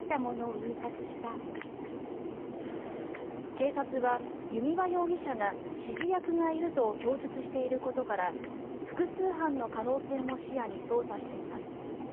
警察は弓場容疑者が指示役がいると供述していることから複数犯の可能性も視野に捜査しています。